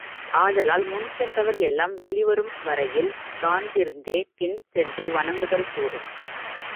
ஆதலால் முன் சென்றவர் எல்லாம் வெளிவரும் வரையில் காந்திருந்தே பின் சென்று வணங்குதல் கூடும்.